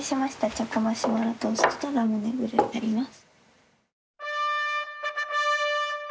チョコマシュマロトーストとラムネブルーになります。